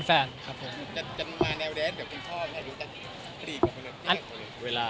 จำนวนมาแนวแดนเดี๋ยวคุณชอบแล้วคุณรู้สักที